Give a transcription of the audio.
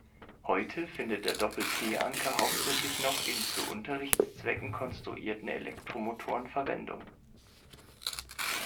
Heute findet der Doppel-T-Anker hauptsächlich noch in zu Unterrichtszwecken konstruierten Elektromotoren Verwendung.